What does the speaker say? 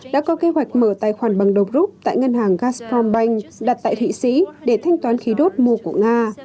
đã có kế hoạch mở tài khoản bằng đồng rút tại ngân hàng gazprom bank đặt tại thụy sĩ để thanh toán khí đốt mua của nga